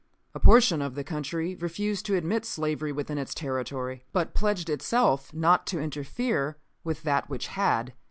A portion of the country refused to admit slavery within its territory, but pledged itself not to interfere with that which had.